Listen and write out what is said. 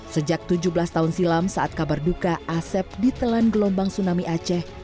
sejak tujuh belas tahun silam saat kabar duka asep ditelan gelombang tsunami aceh